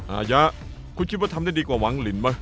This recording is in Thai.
อายะคุณคิดว่าทำได้ดีกว่าหวังลินไหม